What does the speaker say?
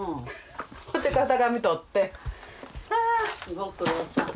ご苦労さん。